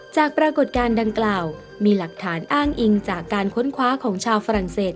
ปรากฏการณ์ดังกล่าวมีหลักฐานอ้างอิงจากการค้นคว้าของชาวฝรั่งเศส